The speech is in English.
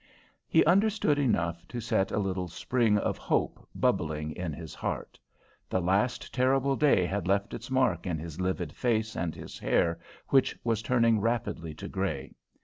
He understood enough to set a little spring of hope bubbling in his heart. The last terrible day had left its mark in his livid face and his hair, which was turning rapidly to grey.